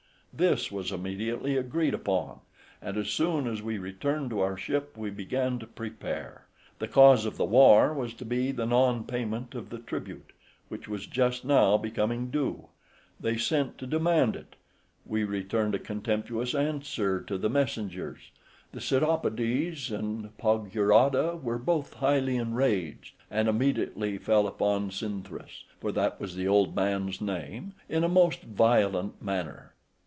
This was immediately agreed upon, and, as soon as we returned to our ship, we began to prepare. The cause of the war was to be the non payment of the tribute, which was just now becoming due: they sent to demand it; he returned a contemptuous answer to the messengers: the Psittopodes and Paguradae were both highly enraged, and immediately fell upon Scintharus (for that was the old man's name), in a most violent manner.